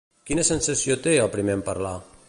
Quina sensació té, el primer en parlar?